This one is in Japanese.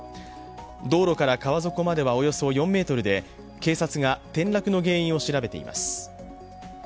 道路から川底まではおよそ４ｍで、警察が転落の原因を調べています。